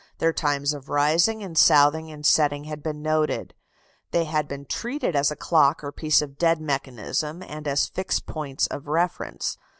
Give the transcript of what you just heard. Their times of rising and southing and setting had been noted; they had been treated as a clock or piece of dead mechanism, and as fixed points of reference.